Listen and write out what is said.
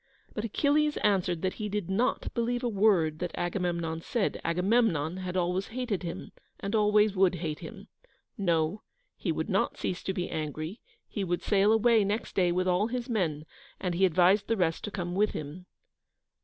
But Achilles answered that he did not believe a word that Agamemnon said; Agamemnon had always hated him, and always would hate him. No; he would not cease to be angry, he would sail away next day with all his men, and he advised the rest to come with him.